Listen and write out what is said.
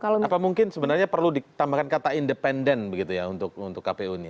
apa mungkin sebenarnya perlu ditambahkan kata independen begitu ya untuk kpu ini